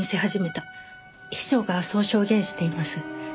秘書がそう証言しています。